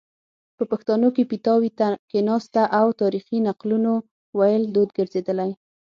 په پښتانو کې پیتاوي ته کیناستنه او تاریخي نقلونو ویل دود ګرځیدلی